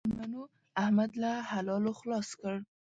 مېلمنو؛ احمد له حلالو خلاص کړ.